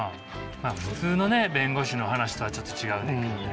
まあ普通のね弁護士の話とはちょっと違うねんけどね。